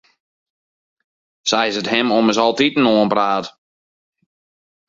Sa is it him ommers altiten oanpraat.